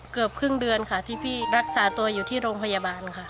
เกือบครึ่งเดือนค่ะที่พี่รักษาตัวอยู่ที่โรงพยาบาลค่ะ